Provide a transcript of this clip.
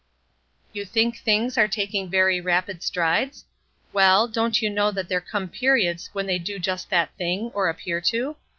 You think things are taking very rapid strides? Well, don't you know that there come periods when they do just that thing, or appear to?